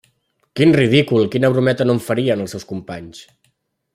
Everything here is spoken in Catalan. ¡Quin ridícul, quina brometa no en farien, els seus companys!